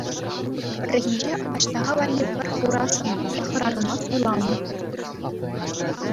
Пӗррехинче Аҫтаха валли пӗр хура сӑн-питлӗ хӗрарӑма суйланӑ.